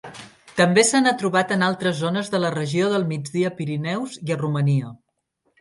També se n'ha trobat en altres zones de la regió del Migdia-Pirineus i a Romania.